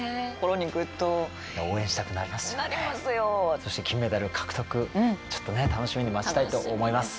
そして金メダル獲得ちょっと楽しみに待ちたいと思います。